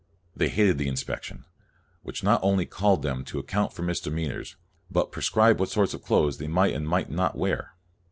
They hated the inspection, which not only called them to account for misdemeanors, but prescribed what sort of clothes they might and might not wear.